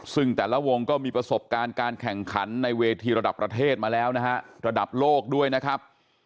ซึ่งแต่ละวงก็มีประสบการณ์การแข่งขันในเวทีระดับประเทศมาแล้วนะฮะระดับโลกด้วยนะครับ